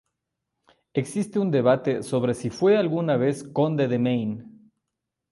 Existe un debate sobre si fue alguna vez conde de Maine.